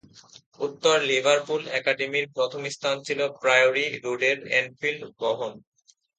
উত্তর লিভারপুল একাডেমির প্রথম স্থান ছিল প্রায়োরি রোডের অ্যানফিল্ড ভবন।